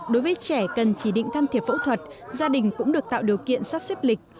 đối với trẻ cần chỉ định can thiệp phẫu thuật gia đình cũng được tạo điều kiện sắp xếp lịch